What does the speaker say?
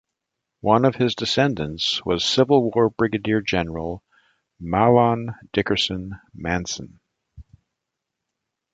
One of his descendants was Civil War Brigadier General Mahlon Dickerson Manson.